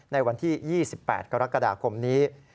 ในวันที่๒๘กรกฎาคมนี้